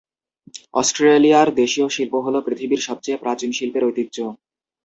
অস্ট্রেলিয়ার দেশীয় শিল্প হলো পৃথিবীর সবচেয়ে প্রাচীন শিল্পের ঐতিহ্য।